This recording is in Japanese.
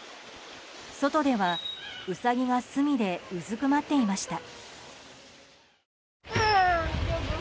外では、ウサギが隅でうずくまっていました。